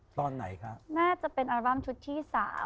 ตอนไหนครับน่าจะเป็นอัลบั้มชุดที่๓